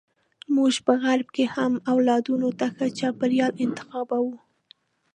موږ په غرب کې هم اولادونو ته ښه چاپیریال انتخابوو.